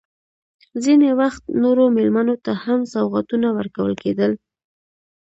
ځینې وخت نورو مېلمنو ته هم سوغاتونه ورکول کېدل.